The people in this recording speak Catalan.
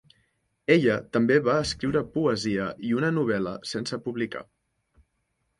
Ella també va escriure poesia i una novel·la sense publicar.